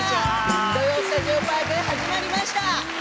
「土曜スタジオパーク」始まりました。